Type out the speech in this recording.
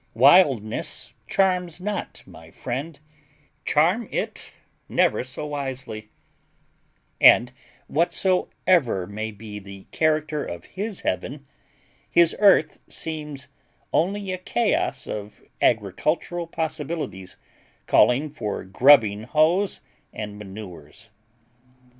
Wildness charms not my friend, charm it never so wisely: and whatsoever may be the character of his heaven, his earth seems only a chaos of agricultural possibilities calling for grubbing hoes and manures.